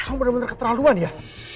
kamu benar benar keterlaluan ya